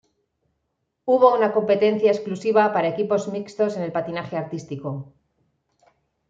Hubo una competencia exclusiva para Equipos Mixtos en el Patinaje artístico.